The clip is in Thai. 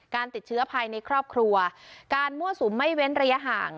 การติดเชื้อภายในครอบครัวการมั่วสุมไม่เว้นระยะห่าง